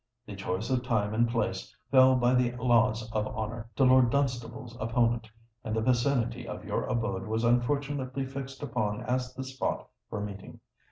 The choice of time and place, fell by the laws of honour, to Lord Dunstable's opponent; and the vicinity of your abode was unfortunately fixed upon as the spot for meeting.